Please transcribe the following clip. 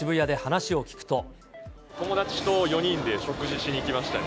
友達と４人で食事しに来ましたね。